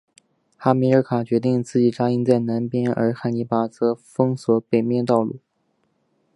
哈米尔卡决定自己扎营在南边而汉尼拔则封锁北面道路。